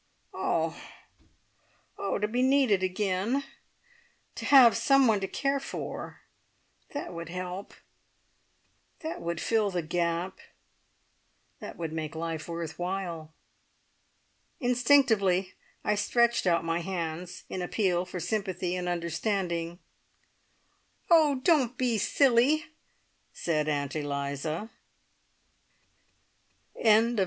"Oh! Oh! To be needed again! To have some one to care for! That would help that would fill the gap that would make life worth while." Instinctively I stretched out my hands, in appeal for sympathy and understanding. "Oh, don't be silly!" said Aunt Eliza. CHAPTER THREE.